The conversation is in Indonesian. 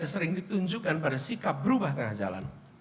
sering ditunjukkan pada sikap berubah tengah jalan